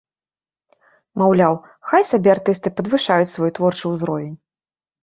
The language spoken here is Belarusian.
Маўляў, хай сабе артысты падвышаюць свой творчы ўзровень.